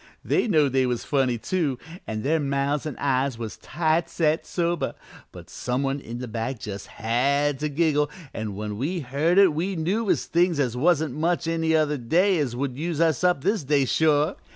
They knowed they was funny, too, an' their mouths an' eyes was tight set sober, but some one in the back just had to giggle, an' when we heard it we knew as things as wasn't much any other day would use us up this day, sure.